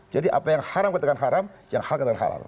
jadi apa yang haram katakan haram yang hal katakan halal